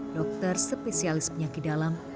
dokter spesialis penyakit dalam